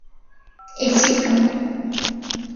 ئەی چی بکەم؟